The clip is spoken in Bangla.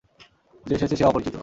যে এসেছে, সে অপরিচিত।